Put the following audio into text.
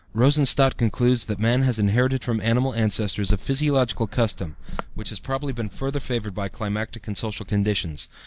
Rosenstadt concludes that man has inherited from animal ancestors a "physiological custom" which has probably been further favored by climatic and social conditions.